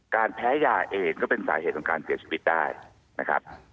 การแพ้ยาเองก็เป็นสาเหตุของการเกิดชีวิตได้